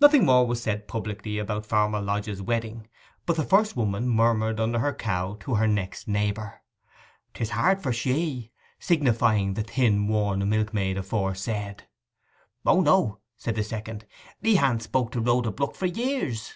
Nothing more was said publicly about Farmer Lodge's wedding, but the first woman murmured under her cow to her next neighbour, ''Tis hard for she,' signifying the thin worn milkmaid aforesaid. 'O no,' said the second. 'He ha'n't spoke to Rhoda Brook for years.